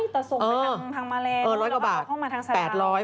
แต่ส่งมาทางมาเลแล้วเอาเข้ามาทางสะดาวเออ๑๐๐กว่าบาท